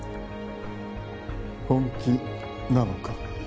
本気なのか？